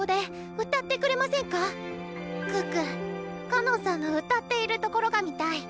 可可かのんさんの歌っているところが見たい。